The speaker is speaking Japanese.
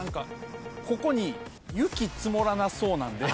ここに雪積もらなそうなんで。